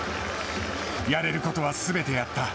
やれることはすべてやった。